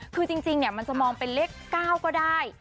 คือจริงมันจะมองเป็นเลข๙ก็ได้